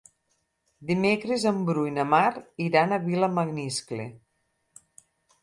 Dimecres en Bru i na Mar iran a Vilamaniscle.